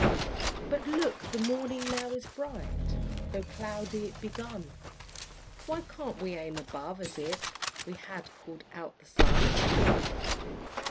But look, the morning now is bright, Though cloudy it begun: Why can't we aim above, as if We had called out the sun?